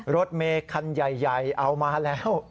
รถเมย์คันใหญ่เอามาแล้ว